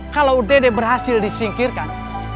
kalau dede berhasil disingkirkan